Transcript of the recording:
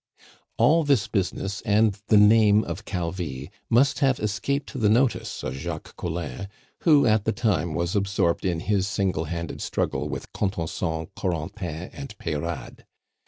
All this business, and the name of Calvi, must have escaped the notice of Jacques Collin, who, at the time, was absorbed in his single handed struggle with Contenson, Corentin, and Peyrade.